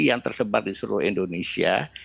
yang tersebar di seluruh indonesia